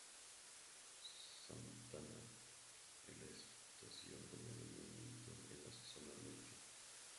Santana, es la estación con mayor movimiento en la zona norte.